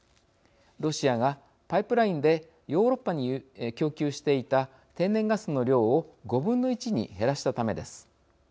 ロシアがパイプラインでヨーロッパに供給していた天然ガスの量を５分の１に減らしたためです。